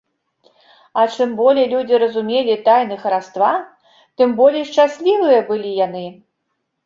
А чым болей людзі разумелі тайны хараства, тым болей шчаслівыя былі яны.